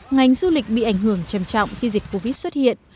ngành du lịch bị ảnh hưởng trầm trọng khi dịch covid xuất hiện